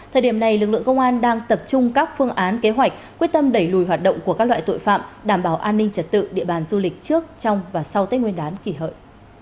thời điểm này lực lượng công an đang tập trung các phương án kế hoạch quyết tâm đẩy lùi hoạt động của các loại tội phạm đảm bảo an ninh trật tự địa bàn du lịch trước trong và sau tết nguyên đán kỷ hợi